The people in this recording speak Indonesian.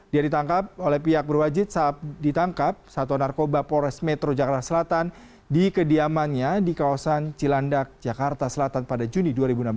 dia ditangkap oleh pihak berwajib saat ditangkap satuan narkoba polres metro jakarta selatan di kediamannya di kawasan cilandak jakarta selatan pada juni dua ribu enam belas